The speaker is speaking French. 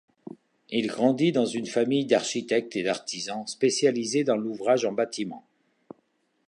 Il grandit dans une famille d'architectes et d'artisans spécialisés dans l'ouvrage en bâtiments.